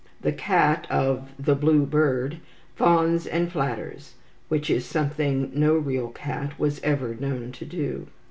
The cat of "The Blue Bird" fawns and flatters, which is something no real cat was ever known to do.